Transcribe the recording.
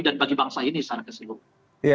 dan bagi bangsa ini secara keseluruhan